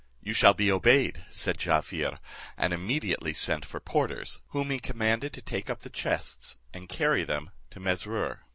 "You shall be obeyed," said Jaaffier, and immediately sent for porters, whom he commanded to take up the chests, and carry them to Mesrour.